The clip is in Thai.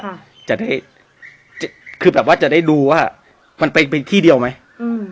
ค่ะจะได้คือแบบว่าจะได้ดูว่ามันเป็นเป็นที่เดียวไหมอืม